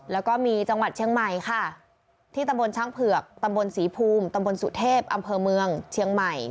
แล้วก็มีจังหวัดเชียงใหม่ค่ะที่ตำบลช้างเผือกตำบลศรีภูมิตำบลสุเทพอำเภอเมืองเชียงใหม่